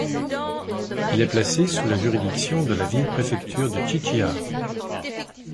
Il est placé sous la juridiction de la ville-préfecture de Qiqihar.